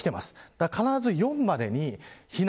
だから必ず４までに避難。